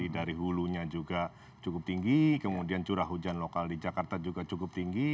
dari hulunya juga cukup tinggi kemudian curah hujan lokal di jakarta juga cukup tinggi